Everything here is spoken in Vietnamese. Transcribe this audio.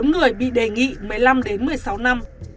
bốn người bị đề nghị một mươi năm một mươi sáu năm